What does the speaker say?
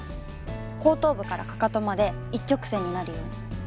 後頭部からかかとまで一直線になるように。